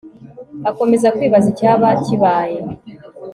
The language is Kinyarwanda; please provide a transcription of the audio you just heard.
akomeza kwibaza icyaba kibaye